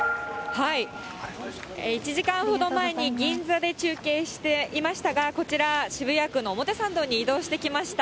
１時間ほど前に銀座で中継していましたが、こちら、渋谷区の表参道に移動してきました。